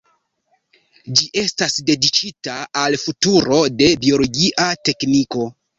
Ĝi estas dediĉita al futuro de biologia tekniko.